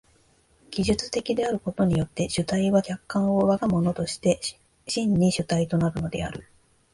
技術的であることによって主体は客観を我が物として真に主体となるのである。